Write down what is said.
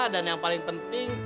dan yang paling penting